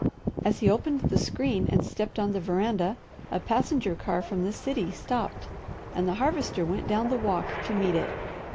As he opened the screen and stepped on the veranda a passenger car from the city stopped, and the Harvester went down the walk to meet it.